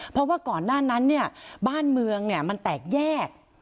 เพราะว่าก่อนหน้านั้นเนี่ยบ้านเมืองมันแตกแยก